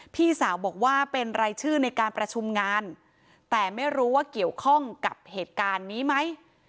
พี่สาวบอกว่าเป็นรายชื่อในการประชุมงานแต่ไม่รู้ว่าเกี่ยวข้องกับเหตุการณ์นี้ไหม